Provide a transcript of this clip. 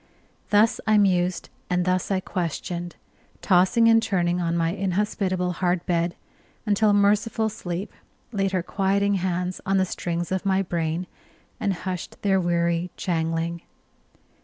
Thus I mused, and thus I questioned, tossing and turning on my inhospitable hard bed, until merciful sleep laid her quieting hands on the strings of my brain, and hushed their weary jangling.